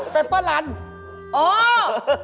เปเปอร์รันโอ้โฮ